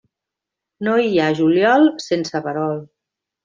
No hi ha juliol sense verol.